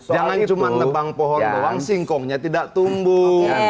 jangan cuma nebang pohon doang singkongnya tidak tumbuh